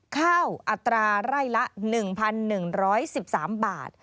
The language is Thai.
ข้าวอัตราไร่ละ๑๑๑๓บาท